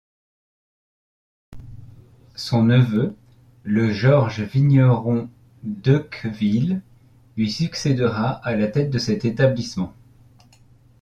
Son neveu, le Georges Vigneron d'Heucqueville, lui succédera à la tête de cet établissement.